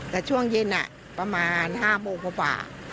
แต่ช่วงเย็นประมาณ๕โมงกว่า